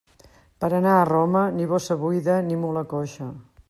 Per anar a Roma, ni bossa buida ni mula coixa.